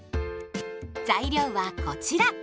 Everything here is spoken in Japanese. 材料はこちら。